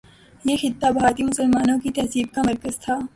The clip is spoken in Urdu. یہ خطہ بھارتی مسلمانوں کی تہذیب کا مرکز تھا۔